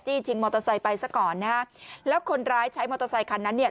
ชิงมอเตอร์ไซค์ไปซะก่อนนะฮะแล้วคนร้ายใช้มอเตอร์ไซคันนั้นเนี่ย